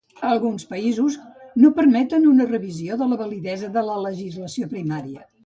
Alguns països no permeten una revisió de la validesa de la legislació primària.